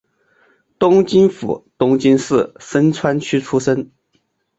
东京府东京市深川区出身。